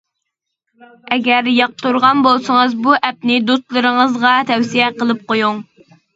ئەگەر ياقتۇرغان بولسىڭىز بۇ ئەپنى دوستلىرىڭىزغا تەۋسىيە قىلىپ قويۇڭ!